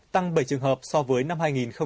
tăng bảy trường hợp so với năm hai nghìn một mươi bảy